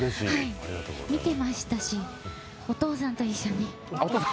見てましたし、お父さんと一緒に。